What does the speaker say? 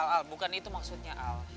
al bukan itu maksudnya al